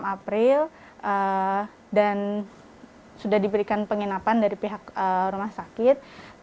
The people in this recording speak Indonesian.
enam april dan sudah diberikan penginapan dari pihak rumah sakit